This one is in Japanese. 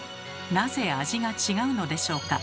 なぜ味が違うのでしょうか？